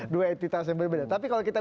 dua etik tas yang berbeda tapi kalau kita